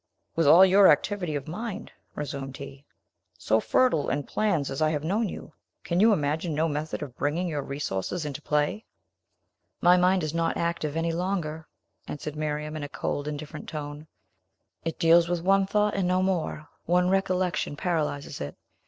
"With all your activity of mind," resumed he, "so fertile in plans as I have known you, can you imagine no method of bringing your resources into play?" "My mind is not active any longer," answered Miriam, in a cold, indifferent tone. "It deals with one thought and no more. One recollection paralyzes it.